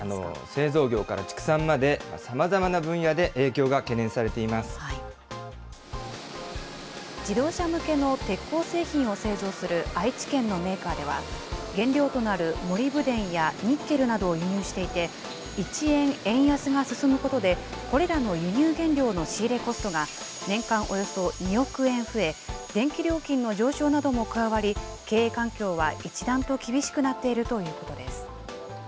製造業から畜産まで、さまざまな分野で影響が懸念されていま自動車向けの鉄鋼製品を製造する愛知県のメーカーでは、原料となるモリブデンやニッケルなどを輸入していて、１円円安が進むことで、これらの輸入原料の仕入れコストが、年間およそ２億円増え、電気料金の上昇なども加わり、経営環境は一段と厳しくなっているということです。